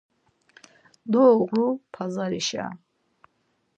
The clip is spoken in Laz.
Doğru Pazarişa.